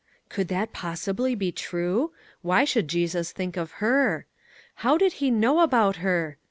Could that possibly be true ? Why should Jesus think of her? How did he know about her